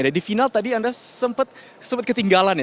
di final tadi anda sempat ketinggalan ya